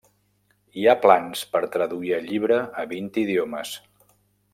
Hi ha plans per traduir el llibre a vint idiomes.